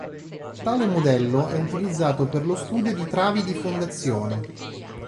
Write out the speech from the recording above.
Tale modello è utilizzato per lo studio di travi di fondazione.